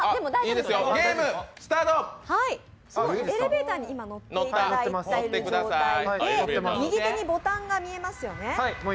エレベーターに乗っていただいている状態で右手にボタンが見えますよね。